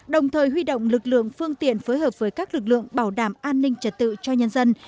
đồng thời huy động lực lượng phương tiện phối hợp với các lực lượng bảo đảm an ninh trật tự cho nhân dân